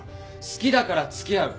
好きだから付き合う。